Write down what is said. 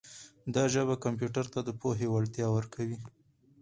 دا ژبه کمپیوټر ته د پوهې وړتیا ورکوي.